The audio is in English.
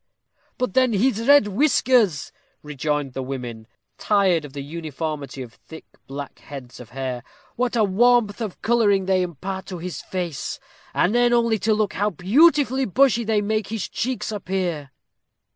"But then his red whiskers," rejoined the women, tired of the uniformity of thick black heads of hair; "what a warmth of coloring they impart to his face; and then only look how beautifully bushy they make his cheeks appear!"